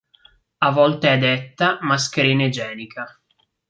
A volte è detta "mascherina igienica".